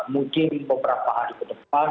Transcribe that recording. mungkin beberapa hari ke depan